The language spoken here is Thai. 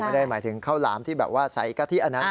ไม่ได้หมายถึงเข้าหลามที่ไซส์กะทิอันนั้น